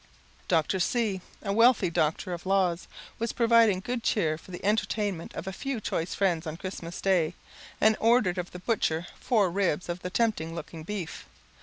Dr. C , a wealthy doctor of laws, was providing good cheer for the entertainment of a few choice friends on Christmas day, and ordered of the butcher four ribs of the tempting looking beef.